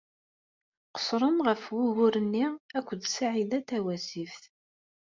Qeṣṣren ɣef wugur-nni akked Saɛida Tawasift.